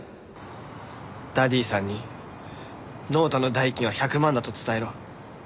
ダディさんにノートの代金は１００万だと伝えろ。